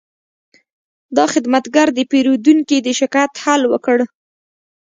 دا خدمتګر د پیرودونکي د شکایت حل وکړ.